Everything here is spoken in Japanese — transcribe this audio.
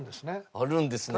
あるんです。